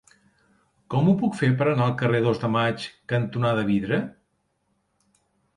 Com ho puc fer per anar al carrer Dos de Maig cantonada Vidre?